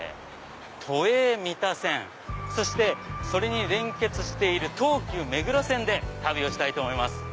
都営三田線そしてそれに連結している東急目黒線で旅をしたいと思います。